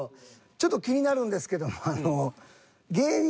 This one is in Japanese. ちょっと気になるんですけど。